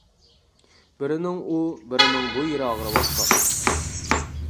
بىرىنىڭ ئۇ، بىرىنىڭ بۇ يېرى ئاغرىۋاتقان.